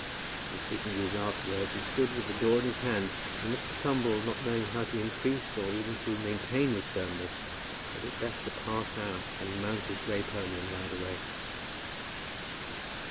In speaking these last words he stood with the door in his hand, and Mr. Thumble, not knowing how to increase or even to maintain his firmness, thought it best to pass out, and mount his grey pony and ride away.